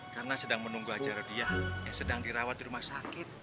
karena sedang menunggu acara dia sedang dirawat di rumah sakit